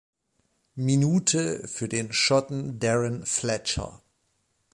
Minute für den Schotten Darren Fletcher.